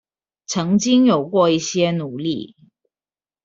曾經有過一些努力